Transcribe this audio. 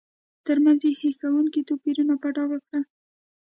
ترمنځ یې هیښوونکي توپیرونه په ډاګه کړل.